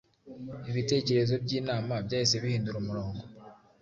Ibitekerezo by’inama byahise bihindura umurongo